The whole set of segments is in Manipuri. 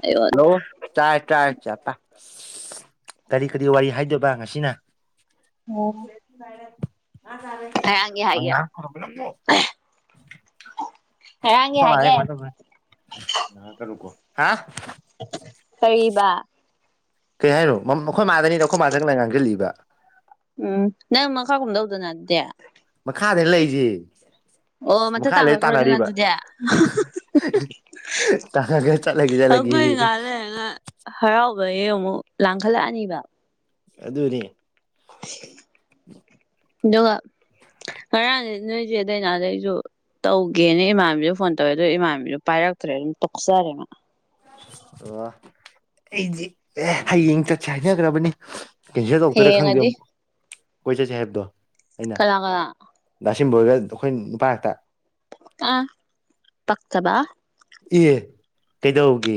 ꯑꯌꯣ ꯍꯜꯂꯣ ꯇꯥꯏ ꯇꯥꯏ [unintelligible] ꯀꯔꯤ ꯀꯔꯤ ꯋꯥꯔꯤ ꯍꯥꯏꯗꯕ ꯉꯁꯤꯅ ꯉꯔꯥꯡꯒꯤ ꯍꯥꯏꯒꯦ [unintelligible] ꯉꯔꯥꯡꯒꯤ ꯑꯈꯣꯏ ꯍꯥꯏꯒꯦ ꯃꯥꯖꯤꯅ [unintelligible] ꯉꯥꯡꯉꯛꯀꯅꯨꯀꯣ ꯍꯥ ꯀꯩꯕ ꯀꯩ ꯍꯥꯏꯅꯣ ꯃꯝ ꯑꯩꯈꯣꯏ ꯃꯥꯥꯗꯅꯤꯗ ꯑꯩꯈꯣꯏ ꯃꯥ ꯆꯪꯖꯜꯂꯛ ꯉꯥꯡꯖꯤꯜꯂꯛꯏꯕ ꯎꯝ ꯅꯪ ꯃꯈꯥ ꯀꯨꯝꯗꯧꯗꯅ ꯑꯗꯨꯗꯤ ꯃꯈꯥꯗꯅꯤ ꯂꯩꯖꯦ ꯑꯣ ꯃꯊꯛ ꯃꯈꯥ ꯂꯩ ꯇꯥꯡꯈꯠꯈ꯭ꯔꯣꯗꯅ ꯇꯥꯟꯅꯔꯤꯕ ꯑꯗꯨꯗꯤ ꯇꯥꯅꯒꯦꯔ ꯆꯠꯂꯒꯦ ꯑꯩꯈꯣꯏ ꯆꯠꯂꯒꯦꯌꯦ ꯉꯍꯥꯛ ꯂꯩꯔꯒ ꯍꯔꯥꯎꯕꯒꯤ ꯑꯃꯨꯛ ꯂꯥꯡꯈꯠꯂꯛꯑꯅꯤꯕ ꯑꯗꯨꯅꯤ [unintelligible] [inaudible] ꯑꯗꯨꯒ ꯉꯔꯥꯡꯗꯤ ꯅꯣꯏꯆꯦ ꯗꯥꯏꯅꯥꯗ ꯑꯩꯖꯨ ꯇꯧꯒꯦꯅ ꯏꯃꯥꯟꯅꯕꯤꯗ ꯐꯣꯟ ꯇꯧꯋꯦ ꯑꯗꯨꯒ ꯏꯃꯥꯟꯕꯤꯗꯨ ꯄꯥꯏꯔꯛꯇ꯭ꯔꯦ ꯑꯗꯨꯝ ꯇꯣꯛꯆꯔꯦ ꯃꯥ ꯑꯣ ꯑꯩꯗꯤ ꯑꯦ ꯍꯌꯦꯡ ꯆꯠꯁꯦ ꯍꯥꯏꯅꯒ꯭ꯔꯕꯅꯤ ꯀꯦꯟꯁꯦꯜ ꯇꯧꯔꯛꯇꯣꯏꯔꯥ ꯈꯪꯗꯦ ꯍꯌꯦꯡꯑꯗꯤ ꯑꯃꯨꯛ ꯀꯣꯏ ꯆꯠꯁꯦ ꯍꯥꯏꯕꯗꯣ ꯑꯩꯅ ꯀꯅꯥ ꯀꯅꯥ ꯗꯥꯁꯤꯟꯕꯔꯒ ꯑꯩꯈꯣꯏ ꯅꯨꯄꯥ ꯉꯥꯛꯇ꯫ ꯑꯥ ꯄꯛꯇꯥꯕ ꯏꯑꯦ ꯀꯩꯗꯧꯔꯒꯦ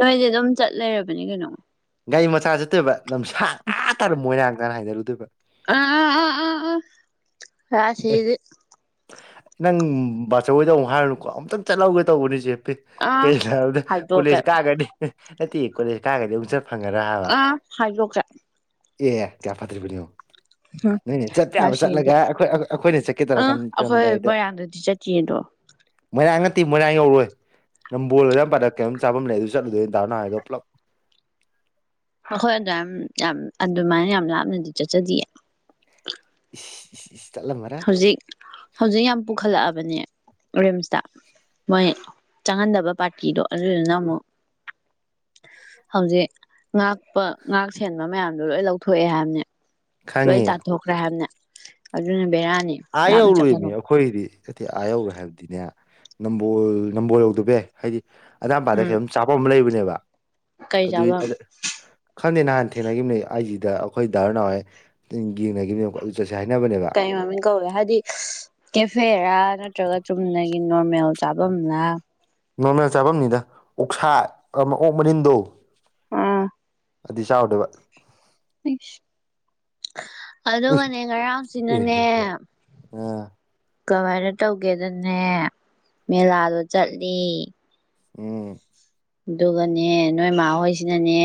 ꯅꯣꯏꯗꯤ ꯑꯗꯨꯝ ꯆꯠ ꯂꯩꯔꯕꯅꯤ ꯀꯩꯅꯣ ꯒꯥꯔꯤ ꯃꯆꯥ ꯆꯠꯇꯣꯏꯕ ꯂꯝꯁꯥꯡ ꯑꯥ ꯇꯥꯅꯥ ꯃꯣꯏꯔꯥꯡ ꯇꯥꯅ ꯍꯥꯏꯒꯠꯂꯨꯗꯣꯏꯕ ꯑꯥ ꯑꯥ ꯑꯥ ꯑꯥ ꯑꯥ ꯔꯥꯁꯤꯗꯤ ꯅꯪ ꯕꯥꯆꯧ ꯍꯣꯏꯗ ꯑꯃꯨꯛ ꯍꯥꯏꯔꯨꯅꯨꯀꯣ ꯑꯃꯨꯛꯇꯪ ꯆꯠꯍꯧꯒꯦ ꯇꯧꯕꯅꯤ ꯆꯦꯄꯤꯛ ꯑ ꯀꯩꯒꯤꯅꯣ ꯍꯥꯏꯕꯗ ꯍꯥꯏꯗꯣꯛꯀꯦ ꯀꯣꯂꯦꯁ ꯀꯥꯒꯔꯅꯤ ꯅꯠꯇꯦ ꯀꯣꯂꯦꯖ ꯀꯥꯔꯒꯗꯤ ꯑꯃꯨꯛ ꯆꯠ ꯐꯪꯉꯔ ꯍꯥꯏꯕ ꯑ ꯍꯥꯏꯗꯣꯛꯀꯦ ꯑꯦ ꯀꯌꯥ ꯐꯠꯇ꯭ꯔꯤꯕꯅꯤꯣ ꯎꯝ ꯅꯣꯏꯅꯦ ꯆꯠꯄꯦ ꯌꯥꯕ ꯔꯥꯁꯤꯗꯤ ꯆꯠꯂꯒ ꯑꯩꯈꯣꯏ ꯑꯩꯈꯣꯏꯅ ꯆꯠꯀꯦ ꯑꯥ ꯑꯩꯈꯣꯏ ꯇꯧꯔꯛꯔꯝꯗꯥꯏꯗ ꯃꯣꯏꯔꯥꯡꯗꯗꯤ ꯆꯠꯇꯤꯌꯦꯗꯣ ꯃꯣꯏꯔꯥꯡ ꯉꯠꯇꯦ ꯃꯣꯏꯔꯥꯡ ꯌꯧꯔꯣꯏ ꯅꯝꯕꯣꯗ ꯌꯥꯝ ꯄꯥꯗ ꯀꯩꯅꯝ ꯆꯥꯝ ꯂꯩ ꯑꯗꯨ ꯆꯠꯂꯗꯣꯏꯅ ꯇꯧꯅ ꯍꯥꯏꯔꯣ ꯄꯨꯂꯞ ꯑꯩꯈꯣꯏ ꯑꯗꯨ ꯌꯥꯝ ꯑꯗꯨꯃꯥꯏꯅ ꯌꯥꯝ ꯂꯥꯞꯅꯗꯤ ꯆꯠꯆꯗꯤꯌꯦ [unintelligible] ꯍꯧꯖꯤꯛ ꯍꯧꯖꯤꯛ ꯌꯥꯝ ꯄꯨꯈꯠꯂꯛꯑꯕꯅꯦ ꯔꯤꯝꯁꯇ ꯃꯣꯏ ꯆꯪꯍꯟꯗꯕ ꯄꯥꯔꯇꯤꯗꯣ ꯑꯗꯨꯗꯨꯅ ꯑꯃꯨꯛ ꯍꯧꯖꯤꯛ ꯉꯥꯛꯄ ꯉꯥꯛ ꯁꯦꯟꯕ ꯃꯌꯥꯝꯗꯣ ꯂꯣꯏ ꯂꯧꯊꯣꯛꯑꯦ ꯍꯥꯏꯕꯅꯤ ꯂꯣꯏ ꯈꯪꯉꯦ ꯇꯥꯟꯊꯣꯛꯈ꯭ꯔꯦ ꯍꯥꯏꯕꯅꯦ ꯑꯗꯨꯅ ꯕꯦꯔꯥꯅꯤ ꯑꯌꯦ ꯂꯥꯞꯅ ꯑꯣꯔ ꯑꯣꯏꯣꯏ ꯆꯠꯀꯅꯨ ꯑꯩꯈꯣꯏꯗꯤ ꯏꯊꯤ ꯑꯥ ꯌꯧꯔꯣꯏ ꯍꯥꯏꯕꯗꯤꯅꯦ ꯅꯝꯕꯣꯜ ꯅꯝꯕꯣꯜ ꯌꯧꯗꯕ ꯌꯥꯏ ꯍꯥꯏꯗꯤ ꯑꯗꯥꯝꯄꯥꯗ ꯎꯝ ꯈꯤꯇꯝ ꯆꯥꯄ ꯑꯃ ꯂꯩꯕꯅꯦꯕ ꯀꯩ ꯑꯗꯨꯏ ꯆꯥꯐꯝ ꯈꯪꯗꯦ ꯅꯍꯥꯟ ꯊꯦꯡꯅꯈꯤꯕꯅꯤ ꯑꯩꯁꯤꯗ ꯑꯩꯈꯣꯏ ꯗꯥꯔ ꯅꯥꯎꯋꯦ ꯌꯦꯡꯅꯈꯤꯕꯅꯦꯕꯀꯣ ꯑꯗꯨ ꯆꯠꯁꯦ ꯍꯥꯏꯅꯕꯅꯦꯕ ꯃꯤ ꯀꯧꯋꯦ ꯍꯥꯏꯗꯤ ꯀꯦꯐꯦꯔꯥ ꯅꯠꯇ꯭ꯔꯒ ꯆꯨꯝꯅꯒꯤ ꯅꯣꯔꯃꯦꯜ ꯆꯥꯐꯝꯂ ꯅꯣꯔꯃꯦꯜ ꯆꯥꯐꯝꯅꯤꯗ ꯑꯣꯛꯁꯥ ꯃ ꯑꯣꯛ ꯃꯔꯤꯟꯗꯣ ꯑꯥ ꯑꯗꯨꯗꯤ ꯆꯥꯎꯥꯎꯗꯕ ꯄꯁ ꯑꯗꯨꯒꯅꯦ ꯉꯔꯥꯡꯁꯤꯅꯅꯦ ꯑꯦꯍꯦ ꯑ ꯀꯃꯥꯏꯅ ꯇꯧꯒꯦꯗꯅꯦ ꯃꯦꯂꯥꯗꯣ ꯆꯠꯂꯤ ꯑꯣ ꯑꯗꯨꯒꯅꯦ ꯅꯣꯏ ꯏꯃꯥꯍꯣꯏꯁꯤꯅꯅꯦ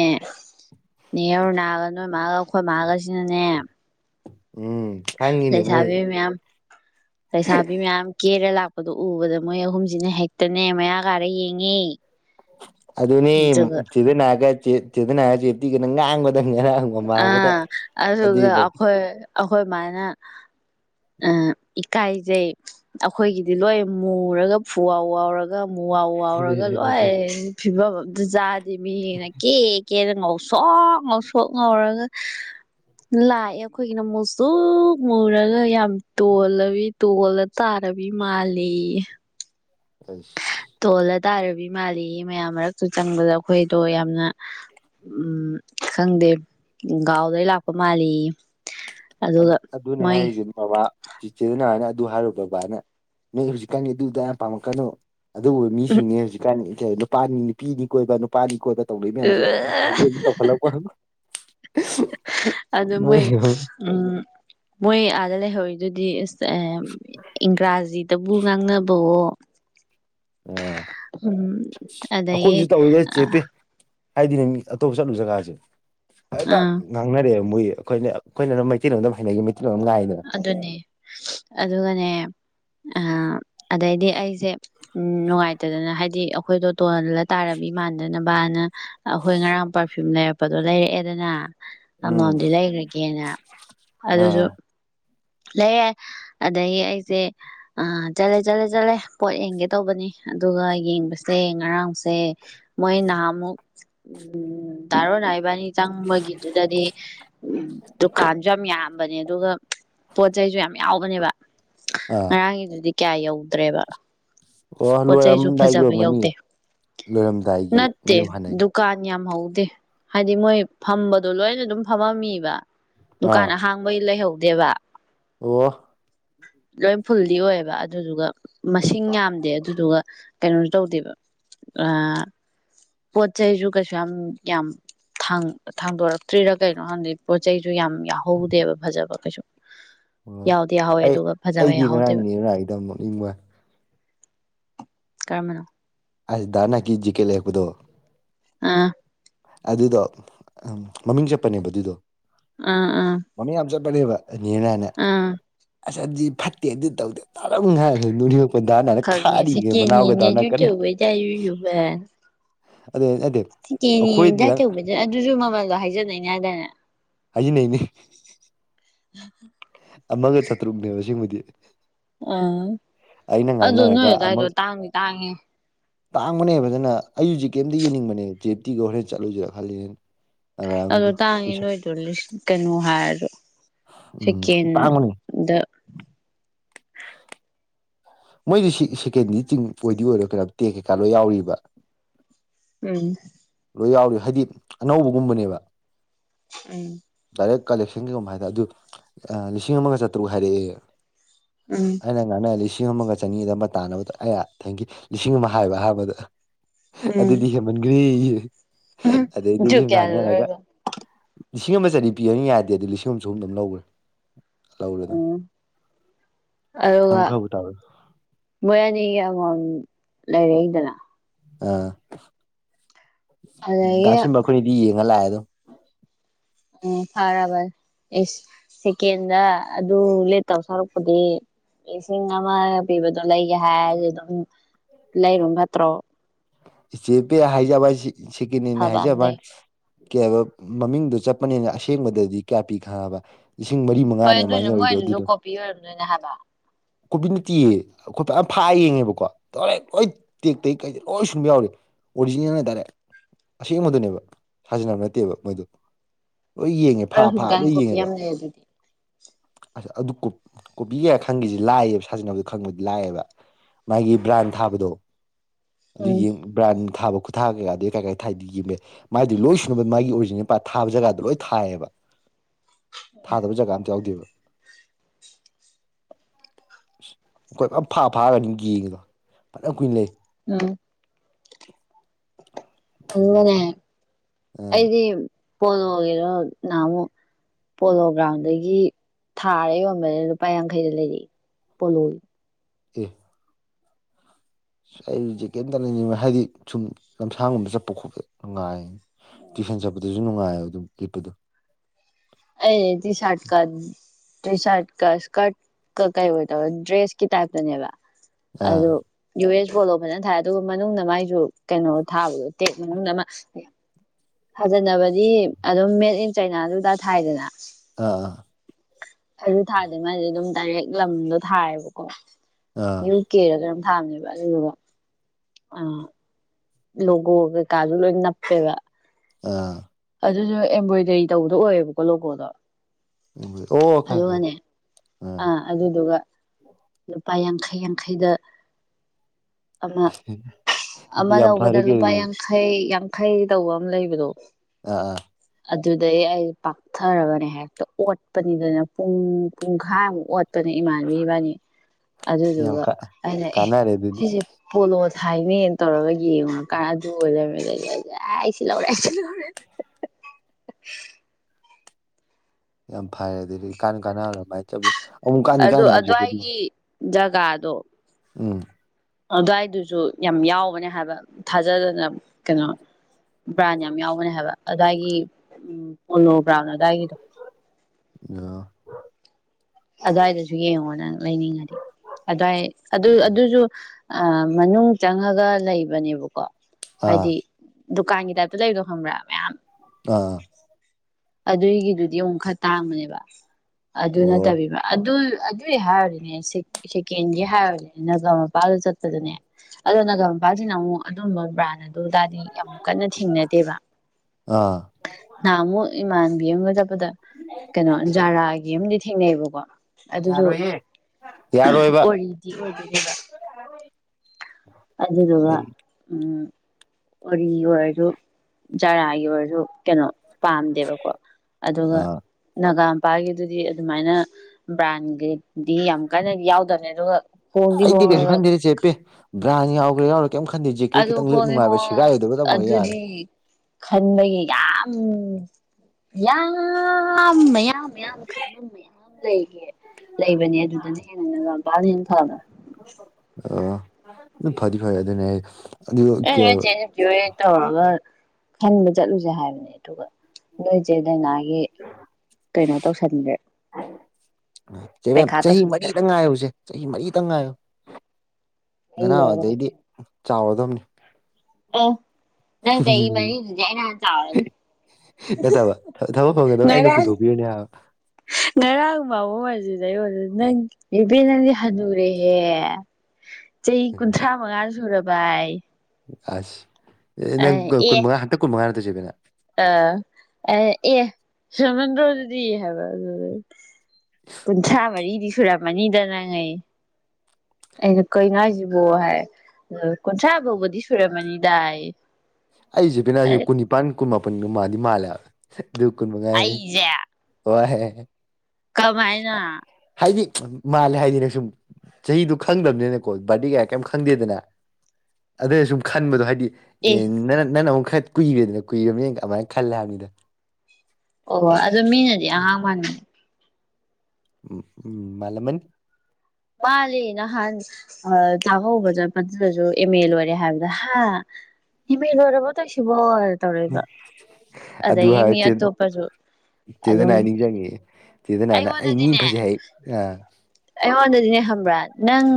ꯅꯦꯍꯔꯨ ꯅꯥꯒ ꯅꯣꯏ ꯃꯥꯒ ꯑꯩꯈꯣꯏ ꯃꯥꯒ ꯁꯤꯅꯅꯦ ꯎꯝ ꯈꯪꯉꯤꯅꯦ ꯃꯣꯏ ꯄꯁꯕꯤ ꯃꯌꯥꯝ [inaudible] ꯂꯩꯁꯥꯕꯤ ꯃꯌꯥꯝ ꯀꯦꯔ ꯂꯥꯛꯄꯗꯣ ꯎꯕꯗ ꯃꯣꯏ ꯑꯍꯨꯝꯁꯤꯅ ꯍꯦꯛꯇꯅꯦ ꯃꯌꯥ ꯀꯥꯔ ꯌꯦꯡꯉꯤ ꯑꯗꯨꯅꯦ ꯑꯗꯨꯒ ꯆꯗꯅꯥꯒ ꯆ ꯆꯗꯅꯥꯒ ꯆꯦꯠꯇꯤ ꯀꯅꯤꯡꯉꯕꯗ ꯑꯥ ꯑꯗꯨꯒ ꯑꯩꯈꯣꯏ ꯑꯩꯈꯣꯏꯃꯥꯏꯅ ꯎ ꯏꯀꯥꯏꯖꯩ ꯑꯩꯈꯣꯏꯒꯤꯗꯤ ꯂꯣꯏ ꯃꯨꯔꯒ ꯐꯨꯋꯥꯥꯎ ꯋꯥꯎꯔꯒ ꯒ ꯑꯃꯨꯛ ꯋꯥꯎ ꯋꯥꯎꯔꯒ ꯂꯣꯏ ꯐꯤꯕꯝ ꯑꯝꯇ ꯆꯥꯗꯦ ꯃꯤꯅ ꯀꯦꯛ ꯀꯦ ꯑꯗꯨ ꯅꯧꯁꯣ ꯉꯧꯁꯣ ꯉ ꯄꯨꯔꯒ ꯂꯥꯛꯑꯦ ꯑꯩꯈꯣꯏꯒꯤꯅ ꯃꯨꯁꯨꯛ ꯃꯨꯔꯒ ꯌꯥꯝ ꯇꯣꯜꯂꯕꯤ ꯇꯣꯜꯂ ꯇꯥꯔꯕꯤ ꯃꯥꯜꯂꯤ ꯑ ꯇꯣꯜꯂ ꯇꯥꯔꯕꯤ ꯃꯥꯜꯂꯤ ꯃꯌꯥꯝ ꯃꯔꯛꯇꯨ ꯆꯪꯕꯗ ꯑꯩꯈꯣꯏꯗꯣ ꯌꯥꯝꯅ ꯎꯝ ꯈꯪꯗꯦ ꯒꯥꯎꯗꯩ ꯂꯥꯛꯄ ꯃꯥꯜꯂꯤ ꯑ ꯑꯗꯨꯒ ꯑꯗꯨꯅ ꯍ ꯃꯣꯏ ꯍꯥꯏꯖꯦ ꯕꯕꯥ ꯆꯤꯆꯦꯗꯨꯅ ꯍꯥꯏꯅ ꯑꯗꯨ ꯍꯥꯏꯔꯨꯕ ꯕꯕꯥꯅ ꯅꯣꯏ ꯍꯧꯖꯤꯛꯀꯥꯟꯒꯤ ꯑꯗꯨꯗ ꯌꯥꯝ ꯄꯥꯝꯃꯛꯛꯀꯅꯨ ꯑꯗꯨꯕꯨꯕ ꯃꯤꯁꯤꯡꯅꯦ ꯍꯧꯖꯤꯛꯀꯥꯟ ꯅꯨꯄꯥꯅꯤ ꯅꯨꯄꯤꯅꯤ ꯀꯣꯏꯕ ꯄꯥꯅꯤ ꯈꯣꯠꯅ ꯇꯧꯗꯣꯏ ꯃꯌꯥꯝꯁꯦ ꯑꯗꯨ ꯇꯧꯈꯠꯂꯛꯄ ꯑꯗꯨ ꯃ ꯃꯣꯏ ꯎꯝ ꯃꯣꯏ ꯑꯗ ꯂꯩ ꯍ ꯑꯗꯨꯗꯤ ꯑ ꯏꯪꯒ꯭ꯔꯥꯖꯤꯗꯕꯨ ꯉꯥꯡꯅꯕꯣ ꯎꯝ ꯑꯗꯒꯤꯦ ꯑꯩꯈꯣꯏꯁꯨ ꯇꯧꯔꯤꯗ ꯑ ꯆꯦꯄꯤ ꯍꯥꯏꯗꯤꯅꯦ ꯑꯇꯣꯞꯄ ꯆꯠꯂꯨ ꯆꯒꯁꯦ ꯑꯥ ꯉꯥꯡꯅꯔꯦꯕ ꯃꯣꯏ ꯑꯩꯈꯣꯏꯅ ꯑꯩꯈꯣꯏꯅ ꯑꯗꯨꯝ ꯃꯩꯇꯩꯂꯣꯟꯣꯝ ꯍꯩꯅꯩꯌꯦ ꯃꯩꯇꯩꯂꯣꯟꯝ ꯉꯥꯏꯗꯅ ꯑꯗꯨꯅꯤ ꯑꯗꯨꯒꯅꯦ ꯑꯥ ꯑꯗꯩꯗꯤ ꯑꯩꯖꯦ ꯎꯝ ꯅꯨꯡꯉꯥꯏꯇꯗꯅ ꯍꯥꯏꯗꯤ ꯑꯩꯈꯣꯏꯗꯣ ꯇꯣꯜꯂ ꯇꯥꯔꯕꯤ ꯃꯥꯟꯗꯅꯕꯅ ꯑꯈꯣꯏ ꯉꯔꯥꯡ ꯄꯥꯔꯐ꯭ꯌꯨꯝ ꯂꯩꯔꯛꯄꯗꯣ ꯂꯩꯔꯛꯑꯦꯗꯅ ꯎꯝ ꯑꯃꯃꯝꯗꯤ ꯂꯩꯈ꯭ꯔꯒꯦꯅ ꯑꯗꯨꯁꯨ ꯑꯥ ꯂꯩꯔꯦ ꯑꯗꯒꯤ ꯑꯩꯁꯦ ꯑꯥ ꯆꯠꯂꯦ ꯆꯠꯂꯦ ꯆꯠꯂꯦ ꯄꯣꯠ ꯌꯦꯡꯒꯦ ꯇꯧꯕꯅꯤ ꯑꯗꯨꯒ ꯌꯦꯡꯕꯁꯦ ꯉꯔꯥꯡꯁꯦ ꯃꯣꯏ ꯅꯍꯥꯟꯃꯨꯛ ꯎꯝ ꯗꯥ ꯔꯣꯅꯥꯜ ꯏꯕꯅꯤ ꯆꯪꯕꯒꯤꯗꯨꯗꯗꯤ ꯎꯝ ꯗꯨꯀꯥꯟꯁꯨ ꯌꯥꯝ ꯌꯥꯝꯕꯅꯦ ꯑꯗꯨꯒ ꯄꯣꯠ ꯆꯩꯁꯨ ꯌꯥꯝ ꯌꯥꯎꯕꯅꯦꯕ ꯑꯥ ꯉꯔꯥꯡꯒꯤꯗꯨꯗꯤ ꯀꯌꯥ ꯌꯧꯗ꯭ꯔꯦꯕ ꯑꯣ ꯄꯣꯠ ꯆꯩꯁꯨ ꯂꯣꯏꯔꯝꯗꯥꯏꯒꯤ ꯐꯖꯕ ꯌꯧꯗꯦ ꯑꯣꯏꯔꯝꯒꯅꯤ ꯂꯣꯏꯔꯝꯗꯥꯏꯒꯤ ꯅꯠꯇꯦ ꯃꯣꯏꯁꯨ ꯍꯥꯟꯅꯩ ꯗꯨ ꯀꯥꯟ ꯌꯥꯝ ꯍꯧꯗꯦ ꯍꯥꯏꯗꯤ ꯃꯣꯏ ꯐꯝꯕꯗꯣ ꯂꯣꯏꯅ ꯑꯗꯨꯝ ꯐꯝꯃꯝꯃꯤꯕ ꯗꯨꯀꯥꯟ ꯑꯥ ꯑꯍꯥꯡꯕ ꯂꯩꯍꯧꯗꯦꯕ ꯑꯣ ꯂꯣꯏ ꯐꯨꯜꯗꯤ ꯑꯣꯏꯌꯦꯕ ꯑꯗꯨꯗꯨꯒ ꯃꯁꯤꯡ ꯌꯥꯝꯗꯦ ꯗꯨꯗꯨꯒ ꯀꯩꯅꯣꯁꯨ ꯇꯧꯗꯦꯕ ꯑꯥ ꯄꯣꯠ ꯆꯩꯁꯨ ꯀꯩꯁꯨ ꯌꯥꯝ ꯌꯥꯝ ꯊꯥꯡ ꯊꯥꯡꯗꯣꯔꯛꯇ꯭ꯔꯤꯔꯥ ꯀꯩꯅꯣ ꯍꯥꯟꯗꯤ ꯄꯣꯠ ꯆꯩꯁꯨ ꯌꯥꯝ ꯌꯥꯎꯍꯧꯗꯦꯕ ꯐꯖꯕ ꯀꯩꯁꯨ ꯑꯣ ꯌꯥꯎꯗꯤ ꯌꯥꯎꯍꯧꯋꯦ ꯑꯩ ꯑꯗꯨꯒ ꯐꯖꯕ ꯑꯩꯗꯤ ꯉꯔꯥꯡ ꯌꯥꯎꯍꯧꯗꯦꯕ ꯌꯦꯡ ꯂꯥꯛꯏꯗꯣ ꯌꯥꯝ ꯅꯣꯛꯅꯤꯡꯕꯋꯥꯅꯦ ꯀꯔꯝꯕꯅꯣ ꯑꯁ ꯗꯥ ꯅꯥꯏꯀꯤ ꯀꯤ ꯖꯤꯀꯦꯠ ꯂꯩꯔꯛꯄꯗꯣ ꯎꯝ ꯑꯗꯨꯗꯣ ꯑꯝ ꯃꯃꯤꯡ ꯆꯠꯄꯅꯦꯕ ꯑꯗꯨꯗꯣ ꯎꯝ ꯎꯝ ꯃꯃꯤꯡ ꯌꯥꯝ ꯆꯠꯄꯅꯦꯕ [unintelligible] ꯍꯥꯏꯅ ꯑꯁ ꯑꯗꯤ ꯐꯠ ꯇꯦ ꯗꯨ ꯇꯧꯗꯦ ꯗꯥꯗꯨꯝ ꯉꯥꯡꯂꯩ ꯅꯣꯡꯅꯤꯡꯉꯛꯄꯥ ꯗꯥ ꯅꯥꯜꯅꯥ ꯈꯪꯉꯦ ꯈꯥꯔꯤ ꯅꯦ ꯁꯦꯀꯦꯟ ꯃꯅꯥꯎꯒꯥ ꯗꯥ ꯍꯦꯟꯒꯁꯨ [unintelligible] [unintelligible] ꯑꯗꯣ ꯑꯗꯦ [unintelligible] ꯑꯗꯨꯁꯨ ꯃꯃꯜꯗꯣ ꯍꯥꯏꯖꯟꯅꯩꯅꯦ ꯍꯥꯏꯗꯥꯏꯅꯦ ꯍꯥꯏꯖꯤꯟꯅꯩꯅꯦ [unintelligible] ꯑꯃꯒ ꯆꯥꯇ꯭ꯔꯨꯛꯅꯦꯕ ꯑꯁꯦꯕꯩꯗꯤ ꯎꯝ ꯑꯗꯨ ꯅꯣꯏ ꯑꯗꯨꯋꯥꯏꯗꯣ ꯇꯥꯡꯗ ꯇꯥꯡꯉꯦꯍꯦ ꯇꯥꯡꯕꯅꯦꯕ ꯐꯖꯅ ꯑꯩꯖꯨ ꯖꯦꯀꯦꯠ ꯑꯃꯗꯤ ꯌꯦꯅꯤꯡꯕꯅꯦ ꯖꯦꯞꯇꯤꯒ ꯍꯣꯔꯦꯟ ꯆꯠꯂꯨꯁꯤꯔ ꯈꯟꯂꯤꯅꯦ ꯑꯝ ꯇꯥꯡꯉꯦ ꯅꯣꯏꯗꯣ ꯂꯤꯁꯤꯡ ꯀꯩꯅꯣ ꯍꯥꯏꯔꯁꯨ ꯎꯝ ꯇꯥꯡꯕꯅꯤ ꯁꯦꯀꯦꯟꯗ ꯃꯣꯏꯗꯤ ꯁꯤ ꯁꯤꯀꯦꯟꯗꯤ ꯆꯤꯡ ꯑꯣꯏꯗꯤ ꯑꯣꯏꯔꯒ ꯀꯩꯅꯣ ꯇꯦꯛ ꯀꯩꯀꯥ ꯂꯣꯏ ꯌꯥꯎꯔꯤꯕ ꯎꯝ ꯂꯣꯏ ꯌꯥꯎꯔꯤ ꯍꯥꯏꯗꯤ ꯑꯅꯧꯕꯒꯨꯝꯕꯅꯦꯕ ꯎꯝ ꯗꯥꯏꯔꯦꯛ ꯀꯂꯦꯛꯁꯟ ꯀꯩꯒꯨꯝꯕ ꯍꯥꯏꯗꯥ ꯑꯗꯨ ꯂꯤꯁꯤꯡ ꯑꯃꯒ ꯆꯥꯇ꯭ꯔꯨꯛ ꯍꯥꯏꯔꯛꯑꯦꯌꯦ ꯎꯝ ꯑꯩꯅ ꯉꯥꯡꯅ ꯂꯤꯁꯤꯡ ꯑꯃꯒ ꯆꯅꯤꯗ ꯑꯃ ꯇꯥꯟꯅꯕꯗ ꯑꯩꯅ ꯊꯦꯡꯀꯤ ꯂꯤꯁꯤꯡ ꯑꯃ ꯍꯥꯏꯕ ꯑꯍꯥꯟꯕꯗ ꯎꯝ ꯑꯗꯨꯗꯤ ꯍꯦꯃꯟꯈ꯭꯭ꯔꯦꯌꯦ ꯎꯝ ꯑꯗꯩꯗꯤ ꯖꯨ ꯁꯨꯝ ꯀꯌꯥꯗ ꯍꯥꯏꯅꯔꯒ ꯂꯧꯔꯤꯕ ꯂꯤꯁꯤꯡ ꯑꯃ ꯆꯅꯤ ꯄꯤꯒꯦ ꯍꯥꯏꯃꯤ ꯌꯥꯗꯦ ꯑꯗꯨ ꯂꯤꯁꯤꯡ ꯑꯃ ꯆꯍꯨꯝꯗꯥ ꯑꯗꯨꯝ ꯂꯧꯈ꯭ꯔꯦ ꯂꯧꯔꯦ ꯑꯗꯨꯝ ꯎꯝ ꯑꯗꯨꯝ ꯑꯗꯨꯒ ꯈꯔꯕꯨ ꯇꯥꯔꯦ ꯃꯣꯏ ꯑꯅꯤꯒꯤ ꯑꯃꯃꯝ ꯂꯩꯔꯛꯏꯗꯅ ꯑꯥ ꯑꯗꯒꯤ ꯗꯥꯁꯤꯝꯕ ꯑꯩꯈꯣꯏꯗꯤ ꯌꯦꯡꯉ ꯂꯥꯛꯑꯦ ꯑꯗꯨꯝ ꯎꯝ ꯐꯔꯕꯅꯦ ꯏꯁ ꯁꯦꯀꯦꯟꯗ ꯑꯗꯨ ꯂꯤꯠꯇꯧ ꯁꯔꯨꯛꯄꯨꯗꯤ ꯂꯤꯁꯤꯡ ꯑꯃ ꯄꯤꯕꯗꯣ ꯂꯩꯒꯦ ꯍꯥꯏꯗꯤ ꯑꯗꯨꯝ ꯂꯩꯔꯨꯝ ꯐꯠꯇ꯭ꯔꯣ ꯆꯦ ꯄꯦ ꯍꯥꯏꯖꯕꯩ ꯁꯦꯀꯦꯟꯗꯍꯦꯟꯅꯤ ꯐꯕ ꯑꯝꯗꯩ ꯍꯥꯏꯖꯕꯅꯤ ꯃꯃꯤꯡꯗꯣ ꯆꯠꯄꯅꯤꯅ ꯑꯁꯦꯡꯕꯗꯗꯤ ꯀꯌꯥ ꯄꯤ ꯈꯪꯉꯕ ꯂꯤꯁꯤꯡ ꯃꯔꯤ ꯃꯉꯥ ꯍꯣꯏ ꯑꯗꯨꯏꯅꯦ ꯃꯣꯏꯗꯨꯁꯨ ꯀꯣꯄꯤ ꯑꯣꯏꯔꯝꯗꯣꯏꯅꯦ ꯍꯥꯏꯕ ꯀꯣꯏꯄꯤ ꯅꯠꯇꯦꯌꯦ ꯑꯩꯈꯣꯏꯄ ꯌꯥꯝ ꯐꯥ ꯌꯦꯡꯉꯦꯕꯀꯣ ꯇꯧꯔꯦ ꯂꯣꯏ ꯇꯦ ꯇꯦꯛ ꯀꯩ ꯂꯣꯏ ꯁꯨꯝꯕ ꯌꯥꯎꯔꯤ ꯑꯣꯔꯤꯖꯤꯅꯦꯜ ꯍꯥꯏꯇꯥꯔꯦ ꯑꯁꯦꯡꯕꯗꯨꯅꯦꯕ ꯁꯥꯖꯤꯟꯅꯕ ꯅꯠꯇꯦꯕ ꯃꯣꯏꯗ ꯂꯣꯏ ꯌꯦꯡꯉꯦ ꯑꯩ ꯐꯥ ꯐꯥ ꯍꯧꯖꯤꯛꯀꯥꯟ ꯂꯣꯏ ꯀꯣꯄꯤ ꯌꯦꯡꯉꯦꯕ ꯌꯥꯝ ꯂꯩ ꯑꯗꯨꯗꯤ ꯑꯁ ꯑꯗꯨ ꯀꯣꯄꯤ ꯀꯌꯥ ꯈꯪꯒꯁꯤ ꯂꯥꯛꯑꯦꯕ ꯁꯥꯖꯤꯟꯅꯕꯗ ꯈꯪꯕꯗꯤ ꯂꯥꯛꯑꯦꯕ ꯃꯥꯒꯤ ꯕ꯭ꯔꯥꯟ ꯊꯥꯕꯗꯣ ꯑꯗꯨ ꯎꯝ ꯌꯦꯡ ꯕ꯭ꯔꯥꯟ ꯊꯥꯕ ꯈꯨꯠꯊꯥ ꯀꯩꯀꯥ ꯑꯗꯨ ꯀꯩ ꯀꯥꯏ ꯊꯥꯏꯗꯤ ꯌꯦꯡꯕ ꯌꯥ ꯃꯥꯏꯗꯤ ꯂꯣꯏ ꯁꯨꯅꯕ ꯃꯥꯒꯤ ꯑꯣꯔꯤꯖꯤꯅꯦꯜ ꯊꯥꯕ ꯖꯒꯥꯗꯣ ꯂꯣꯏ ꯊꯥꯏꯑꯌꯦꯕ ꯊꯥꯗꯕ ꯖꯒꯥ ꯑꯝꯇ ꯌꯥꯎꯗꯦꯕ [inaudible] ꯑ ꯑꯩꯈꯣꯏ ꯄꯨ ꯐꯥ ꯐꯥꯒꯅꯤ ꯌꯦꯡꯉꯤꯗꯣ ꯐꯖꯅ ꯀꯨꯏꯅ ꯂꯩ ꯎꯝ [inaudible] ꯑꯗꯨꯅꯦ ꯑꯥ ꯑꯩꯗꯤ ꯄꯣꯂ ꯑꯣꯏꯒꯦꯔꯣ ꯅꯥꯃꯨ ꯄꯣꯂꯣ ꯒ꯭ꯔꯥꯎꯟꯗꯒꯤ ꯊꯥꯔ ꯌꯣꯟꯕꯅꯤ ꯂꯨꯄꯥ ꯌꯥꯡꯈꯩꯗ ꯂꯩꯔꯛꯑꯦ ꯄꯣꯂꯣꯒꯤ ꯎ ꯑ ꯑꯩꯁꯦ ꯀꯩꯝꯇ ꯂꯩꯅꯤꯡꯕ ꯍꯥꯏꯗꯤ ꯁꯨꯝ ꯂꯝꯁꯥꯡꯒꯨꯝꯕ ꯆꯠꯄ ꯈꯣꯠꯄ ꯅꯨꯡꯉꯥꯏꯅꯤ ꯇꯨꯐꯟ ꯆꯠꯄꯗꯨꯗꯁꯨ ꯅꯨꯡꯉꯥꯏꯕ ꯑꯗꯨꯝ ꯂꯤꯠꯄꯗꯣ ꯑꯦ ꯇꯤ ꯁꯠꯀ ꯇꯤ ꯁꯥꯔꯠꯀ ꯏꯁꯀꯥꯔꯠꯀ ꯀꯩ ꯑꯣꯏ ꯇꯧꯔ ꯗ꯭ꯔꯦꯁꯀꯤ ꯇꯥꯏꯞꯇꯅꯦꯕ ꯑꯥ ꯑꯗꯨ ꯌꯨ ꯑꯦꯁ ꯣꯠꯂꯣ ꯐꯖꯅ ꯊꯥꯏ ꯑꯗꯨꯒ ꯃꯅꯨꯡꯗ ꯃꯥꯏꯁꯨ ꯀꯩꯅꯣ ꯊꯥꯕꯗꯣ ꯇꯦꯛ ꯃꯅꯨꯡꯗ ꯐꯖꯅꯕꯗꯤ ꯑꯗꯨꯝ ꯃꯦꯠ ꯏꯟ ꯆꯩꯅꯥꯗꯨꯗ ꯊꯥꯏꯗꯅ ꯑꯥ ꯑꯗꯨ ꯊꯥꯗꯦ ꯃꯥꯗꯤ ꯑꯗꯨꯝ ꯗꯥꯏꯔꯦꯛ ꯂꯝꯗꯣ ꯊꯥꯏꯌꯦꯕꯀꯣ ꯑꯥ ꯀꯦꯔꯒ ꯑꯗꯨꯝ ꯊꯥꯡꯉꯦꯕ ꯑꯗꯨꯗꯨꯒ ꯑ ꯂꯣꯒꯣ ꯀꯩꯀꯥꯗꯨ ꯂꯣꯏ ꯅꯞꯄꯦꯕ ꯑꯥ ꯑꯗꯨꯅ ꯑꯦꯝꯕ꯭ꯔꯣꯏꯗꯔꯤ ꯇꯧꯕꯗꯣ ꯑꯣꯏꯌꯦꯦꯕꯀꯣ ꯂꯣꯒꯣꯗꯣ ꯑꯣ ꯈ ꯑꯗ ꯈ ꯃꯅꯦꯦ ꯑꯥ ꯑ ꯑꯗꯨꯗꯨꯒ ꯂꯨꯄꯥ ꯌꯥꯡꯈꯩ ꯌꯥꯡꯈꯩꯗ ꯑꯃ ꯑꯃ ꯌꯥꯝ ꯂꯧꯕꯗ ꯐꯔꯦ ꯀꯩꯅꯣ ꯂꯨꯄꯥ ꯑꯗꯨꯗꯤ ꯌꯥꯡꯈꯩ ꯌꯥꯡꯈꯩ ꯇꯧꯕ ꯑꯃ ꯂꯩꯕꯗꯣ ꯑꯥ ꯑꯥ ꯑꯗꯨꯗꯩ ꯑꯩ ꯄꯥꯛꯊꯔꯒꯅꯦ ꯍꯦꯛꯇ ꯑꯣꯠꯄꯅꯤꯗꯅ ꯄꯨꯡ ꯄꯨꯡꯈꯥꯏꯃꯨꯛ ꯑꯣꯠ ꯆꯠꯄꯅ ꯏꯃꯥꯟꯕꯤ ꯏꯕꯥꯅꯤ ꯌꯥꯝ ꯑꯗꯨꯗꯨꯒ ꯀꯥ ꯑꯩꯅ ꯑꯦ ꯀꯥꯟꯅꯔꯦ ꯑꯗꯨꯗꯤ ꯁꯤꯁꯦ ꯄꯣꯂꯣ ꯊꯥꯏꯅꯦ ꯇꯧꯔꯒ ꯌꯦꯡꯉꯨꯔꯀꯥꯟ ꯑꯗꯨ ꯑꯣꯏꯔꯝꯃꯦꯗꯤꯁ ꯑ ꯑꯩꯁꯤ ꯂꯧꯔꯦ ꯑꯩ ꯂꯧꯔꯦ [inaudible] ꯌꯥꯝ ꯐꯔꯦ ꯑꯗꯨꯗꯤ ꯀꯥꯟ ꯀꯥꯟꯅ ꯑꯗꯨꯃꯥꯏꯅ ꯆꯠꯂ ꯑꯃꯨꯛ ꯀꯥꯟꯗꯤ ꯑꯗꯨ ꯀꯥꯟꯖꯥꯅꯤ ꯆꯦ ꯑꯗꯨꯋꯥꯏꯒꯤ ꯖꯒꯥꯗꯣ ꯑꯣ ꯑꯗꯨꯋꯥꯏꯗꯨꯁꯨ ꯌꯥꯝ ꯌꯥꯎꯕꯅꯦ ꯍꯥꯏꯕ ꯊꯥꯖꯗꯅ ꯀꯩꯅꯣ ꯕ꯭ꯔꯥꯟ ꯌꯥꯝ ꯌꯥꯎꯕꯅꯦ ꯍꯥꯏꯕ ꯑꯗꯥꯏꯒꯤ ꯎꯝ ꯑꯣꯂꯣ ꯕ꯭ꯔꯥꯟ ꯑꯏꯒꯤꯗꯣ ꯑ ꯑꯗꯨꯋꯥꯏꯗꯁꯨ ꯌꯦꯡꯉꯣꯅꯪ ꯂꯩꯅꯤꯡꯉꯗꯤ ꯑꯗꯨꯋꯥꯏ ꯑꯗꯨ ꯑꯗꯨꯁꯨ ꯃꯅꯨꯡ ꯆꯪꯉꯒ ꯂꯩꯕꯅꯦꯕꯀꯣ ꯑꯥ ꯍꯥꯏꯗꯤ ꯗꯨꯀꯥꯟꯒꯤ ꯇꯥꯏꯞꯇ ꯂꯩꯗꯣ ꯈꯪꯕ꯭ꯔꯥ ꯃꯌꯥꯝ ꯑꯥ ꯑꯗꯨꯏꯒꯤꯗꯨꯗꯤ ꯑꯃꯨꯛ ꯈꯥ ꯇꯥꯡꯕꯅꯦꯕ ꯑꯗꯨꯅ ꯑꯣ ꯑꯗꯨ ꯑꯗꯨꯏ ꯍꯥꯏꯔꯗꯤꯅꯦ ꯁꯦꯀꯦꯟꯒꯤ ꯍꯥꯏꯔꯗꯤ ꯅꯒꯥ ꯃꯄꯥꯜꯗ ꯆꯠꯄꯗꯨꯅꯦ ꯑꯗꯣ ꯅꯒꯥ ꯃꯄꯥꯁꯤꯅ ꯑꯃꯨꯛ ꯑꯗꯨꯝꯕ ꯕ꯭ꯔꯥꯟ ꯗꯨꯗꯥꯗꯤ ꯌꯥꯝ ꯀꯟꯅ ꯊꯦꯡꯅꯗꯦꯕ ꯑꯥ ꯅꯍꯥꯟ ꯃꯨꯛ ꯏꯃꯥꯟꯕꯤ ꯑꯃꯗꯥ ꯄꯗꯥ ꯀꯩꯅꯣ ꯖꯥꯔꯥꯒꯤ ꯑꯃꯗꯤ ꯊꯦꯡꯅꯩ ꯑꯕꯀꯣ ꯑꯗꯨꯖꯨ ꯌꯥꯔꯣꯏꯌꯦ ꯌꯥꯔꯣꯏꯕ ꯑꯣꯔꯤꯗꯤ ꯑꯣꯏꯗꯣꯏꯅꯦꯕ [unintelligible] ꯑꯗꯨꯗꯨ ꯒꯥ ꯑꯩ ꯎꯝ ꯑꯣꯔꯤ ꯑꯣꯏꯔꯖꯨ ꯖꯥꯔꯥꯒꯤ ꯑꯣꯏꯔꯖꯨ ꯀꯩꯅꯣ ꯄꯥꯝꯗꯦꯕꯀꯣ ꯑꯗꯨꯒ ꯑꯥ ꯅꯒꯥ ꯄꯥꯜꯒꯤꯗꯨꯗꯤ ꯑꯗꯨꯃꯥꯏꯅ ꯕ꯭ꯔꯥꯟꯒꯗꯤ ꯌꯥꯝ ꯀꯥꯏꯟꯅꯗꯤ ꯌꯥꯎꯗꯕꯅꯦ ꯑꯗꯨꯒ ꯍꯣꯡꯗꯤ ꯑꯩꯗꯤ ꯀꯩꯁꯨ ꯍꯣꯡꯉꯒ ꯈꯟꯗꯦ ꯆꯦ ꯄꯦ ꯕ꯭ꯔꯥꯟ ꯌꯥꯎꯒ‌ꯦ꯭ꯔꯥ ꯌꯥꯎꯔ‌ꯣꯏ ꯀꯩꯝ ꯈꯟꯗ‌ꯦ ꯖ‌ꯦꯀ‌ꯦꯠ ꯑꯗꯨ ꯈꯤꯇꯪ ꯂꯤꯠ ꯍꯣꯡꯉꯦ ꯅꯨꯡꯉꯥꯏꯕ ꯍꯣꯡꯉ ꯁ‌ꯦꯒꯥꯏꯔ‌ꯣꯗꯕꯥ ꯗ‌ꯪꯑ‌ꯣꯏ ꯌꯥꯔꯦ ꯑꯗꯨꯗꯤ ꯈꯟꯕꯒꯤ ꯌꯥꯝ ꯌꯥꯝ ꯃꯌꯥꯝ ꯃꯌꯥꯝ ꯈꯟꯐꯝ ꯃꯌꯥꯝ ꯂꯩꯒꯦ ꯂꯩꯕꯅꯦ ꯑꯗꯨꯗꯅ ꯍꯦꯟꯅ ꯅꯒꯥꯃꯄꯥꯜꯅ ꯍꯦꯟꯅ ꯐꯕ ꯑ ꯑꯗꯨꯝ ꯐꯗꯤ ꯐꯔꯦ ꯑꯗꯨꯅꯦ ꯑꯩ ꯑꯗꯨ ꯀꯩ [unintelligible] ꯇꯧꯔꯒ ꯈꯟꯕ ꯆꯠꯂꯨꯖ‌ꯦ ꯍꯥꯏꯕꯅꯦ ꯑꯗꯨꯒ ꯅꯣꯏ ꯆ‌ꯦ ꯗꯥꯏꯅꯥ ꯒꯤ ꯀꯩꯅꯣ ꯇꯧꯁꯟꯒꯔ‌‌ꯦ ꯆ‌ꯦ ꯕ‌ꯦꯝ ꯆꯍꯤ ꯇꯧꯁꯟꯈ꯭ꯔꯦ ꯃꯔꯤꯗꯪ ꯉꯥꯏꯌꯨꯁꯦ ꯆꯍꯤ ꯃꯔꯤꯗꯪ ꯉꯥꯏꯣꯌ‌‌ꯣ ꯑꯩ ꯂꯩꯔꯒ ꯅꯅꯥꯎꯑꯗꯩꯗꯤ ꯆꯥꯎꯔꯗꯝꯅꯤ ꯑ ꯅꯪ ꯆꯥꯍꯤ ꯃꯔꯤꯗꯨꯗꯤ ꯑꯩꯅꯥ ꯍꯥꯟ ꯅꯠꯇꯕ ꯊꯕꯛ ꯐꯪꯒꯗꯕ ꯑꯩꯅ ꯉꯔꯥꯡ ꯄꯨꯊꯣꯛꯄꯤꯔꯤꯅꯦ ꯍꯥꯏꯕ ꯉꯔꯥꯡ ꯃꯥꯕ‌ꯣꯛ ꯑꯁꯤ ꯗꯥ ꯑꯩꯉ‌ꯣꯟꯗꯥ ꯅꯪ ꯆ‌ꯦ ꯄ‌‌ꯦ ꯅꯪꯗꯤ ꯍꯟꯅꯨꯔꯦꯍꯦ [inaudible] ꯆꯍꯤ ꯀꯨꯟꯊ꯭ꯔꯥ ꯃꯉꯥ ꯁꯨꯨꯔꯕꯥꯏ ꯑꯁ ꯑꯦ ꯅꯪ ꯀꯨꯟ ꯃꯉꯥ ꯍꯟꯛꯇꯛ ꯀꯨꯟ ꯃꯉꯥ ꯅꯇ‌ꯣ ꯆ‌ꯦ ꯄ‌ꯦ ꯅꯪ ꯑ ꯑꯩ ꯑ‌ꯦ ꯍ‌ꯦꯃꯟ ꯗꯔ‌ꯣ ꯑꯗꯨꯗꯤ ꯍꯥꯏꯕ ꯀꯨꯟꯊ꯭ꯔꯥ ꯃꯔꯤꯗꯤ ꯁꯨꯔꯝꯃꯅꯤꯗ ꯅꯪ ꯑꯌ‌ꯦ ꯑꯩꯅ ꯀꯩꯅ‌ꯣ ꯍꯥꯏꯖꯤꯕꯣ ꯍꯥꯏ ꯀꯨꯟꯊ꯭ꯔꯥ ꯕꯧꯕꯗꯤ ꯁꯨꯔꯝꯃꯅꯤꯗ ꯌ‌ꯦ ꯑꯩ ꯆ‌ꯦ ꯄꯦ ꯅꯪꯁꯦ ꯀꯨꯟꯅꯤꯄꯥꯟ ꯀꯨꯟ ꯃꯥꯄꯟꯒ ꯃꯥꯟꯗꯤ ꯃꯥꯜꯂꯦ ꯍꯥꯕ ꯑꯗꯨ ꯀꯨꯟ ꯃꯉꯥ ꯍꯥꯏꯔ‌ꯦ ꯑꯩꯁꯦ ꯋꯥꯍꯦ ꯀꯃꯥꯏꯅꯥ ꯍꯥꯏꯗꯤ ꯃꯥꯜꯂꯦ ꯍꯥꯏꯗꯤ ꯅꯪ ꯁꯨꯝ ꯆꯍꯤꯗꯣ ꯈꯪꯗꯕꯅꯤꯅꯀꯣ ꯕꯥꯔꯗꯦ ꯀꯌꯥ ꯀꯩꯝ ꯈꯪꯗꯦꯗꯅ ꯑꯗꯨꯅ ꯁꯨꯝ ꯈꯟꯕꯗꯣ ꯍꯥꯏꯗꯤ ꯑꯦ ꯅꯪꯅ ꯑꯃꯨꯛ ꯈꯔ ꯀꯨꯏꯔꯦꯗꯅ ꯀꯨꯏꯔꯕꯅꯤꯅ ꯑꯃꯥꯏ ꯈꯜꯂꯦ ꯍꯥꯏꯕꯅꯤꯗ ꯑ‌ꯣ ꯍ‌‌ꯣꯏ ꯑꯗꯨ ꯃꯤꯅꯗꯤ ꯑꯉꯥꯡ ꯃꯥꯟꯕꯅ‌ꯦ ꯎꯝ ꯎꯝ ꯃꯂꯝ ꯃꯅꯤ ꯃꯥꯟꯂꯩ ꯅꯍꯥꯟ ꯑꯥ ꯆꯥꯛ ꯀꯧꯕꯥ ꯆꯠꯄꯥ ꯗꯨꯗꯁꯨ ꯑꯦ ꯃ‌ꯦ ꯂ‌ꯣꯏꯔꯦ ꯍꯥꯏꯕꯗ ꯍꯥ ꯏꯃꯦ ꯂꯣꯏꯔꯕ‌ꯣ ꯇ‌ꯣꯏꯁꯤꯕꯣ ꯇꯧꯔꯛꯏꯕ ꯑꯗꯨ ꯑꯗꯒꯤ ꯍꯥꯏꯔ ꯃꯤ ꯑꯇꯣꯞꯄꯖꯨ ꯆꯦ ꯗꯥꯏꯅꯥꯏ ꯅꯤꯡꯖꯪꯉ‌ꯦ ꯆꯦ ꯗꯥꯏꯅꯥꯅ ꯑꯩ ꯃꯤ ꯑꯩꯉꯣꯟꯗꯗꯤꯅꯦ ꯐꯖꯩ ꯍꯥꯏ ꯑ ꯑꯩꯉꯣꯟꯗꯗꯤꯅꯦ ꯈꯝꯕ꯭ꯔꯥ ꯅꯪ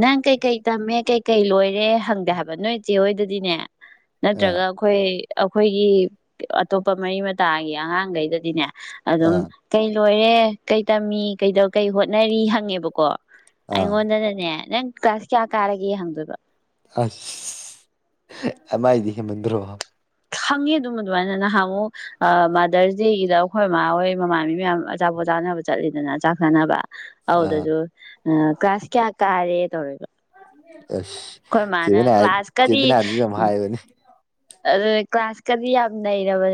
ꯅꯪ ꯀꯩꯀꯩ ꯇꯝꯃꯦ ꯀꯩꯀꯩ ꯂꯣꯏꯔꯦ ꯍꯪꯗꯦ ꯍꯥꯏꯕ ꯅꯣꯏ ꯏꯆꯦ ꯍꯣꯏꯗꯗꯤꯅꯦ ꯅꯠꯇ꯭ꯔꯒ ꯑꯥ ꯑꯩꯈꯣꯏ ꯑꯩꯈꯣꯏꯒꯤ ꯑꯇꯣꯞꯄ ꯃꯔꯤ ꯃꯇꯥꯒꯤ ꯑꯉꯥꯡꯒꯩꯗꯗꯤꯅꯦ ꯑꯗꯨꯝ ꯑꯥ ꯀꯩ ꯂꯣꯏꯔꯦ ꯀꯩ ꯇꯝꯃꯤ ꯀꯩꯗꯧ ꯀꯩ ꯍꯣꯠꯅꯔꯤ ꯍꯪꯉꯦꯕꯀꯣ ꯑꯥ ꯑꯩꯉꯣꯟꯗꯅꯅꯦ ꯅꯪ ꯀ꯭ꯂꯥꯁ ꯀꯌꯥ ꯀꯥꯔꯒꯦ ꯍꯪꯗꯣꯏꯕ ꯑꯁ ꯑꯃꯥꯏꯗꯤ ꯍꯦꯃꯟꯗ꯭ꯔꯣ ꯈꯪꯉꯦ ꯑꯗꯨꯝ ꯑꯗꯨꯃꯥꯏꯅ ꯅꯍꯥꯟꯉꯣ ꯑ ꯃꯥꯗꯔꯁ ꯗꯦꯒꯤꯗ ꯑꯩꯈꯣꯏꯃꯥ ꯍꯣꯏ ꯃꯃꯥꯟꯕꯤ ꯃꯌꯥꯝ ꯑꯆꯥꯄꯣꯠ ꯆꯥꯅꯕ ꯆꯠꯂꯤꯗꯅ ꯆꯥꯛ ꯆꯥꯅꯕ ꯑꯥ ꯑꯗꯨꯗꯁꯨ ꯀ꯭ꯂꯥꯁ ꯀꯌꯥ ꯀꯥꯔꯦ ꯇꯧꯔꯛꯏꯕ ꯑꯁ ꯆꯤꯗꯅꯥ ꯀ꯭ꯂꯥꯁꯀꯗꯤ ꯆꯤꯗꯅꯥꯁꯤꯁꯨ ꯌꯥꯝ ꯍꯥꯏꯕꯅꯤ ꯑꯗꯨꯅ‌ꯦ ꯀ꯭ꯂꯥꯁ ꯀꯗꯤ ꯌꯥꯝ ꯅꯩꯔꯕꯅ‌ꯦ